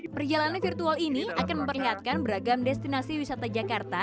perjalanan virtual ini akan memperlihatkan beragam destinasi wisata jakarta